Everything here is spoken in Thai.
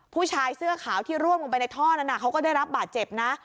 ผู้ชายเสื้อขาวที่ร่วงลงไปในท่อนั้นเขาก็ได้รับบาดเจ็บนะ